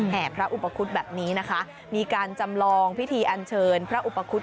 แห่พระอุปคุฎแบบนี้นะคะมีการจำลองพิธีอันเชิญพระอุปคุฎ